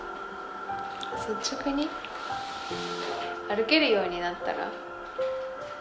歩けるようになったら？